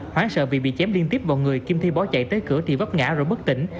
hoãn sợ vì bị chém liên tiếp vào người kim thi bỏ chạy tới cửa thì vấp ngã rồi bất tỉnh